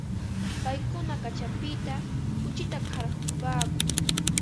Paykuna kaćhapita kuchita qarqupaakun.